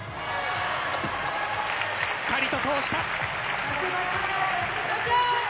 しっかりと通した！